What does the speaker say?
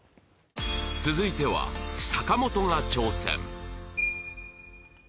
続いては坂本が挑戦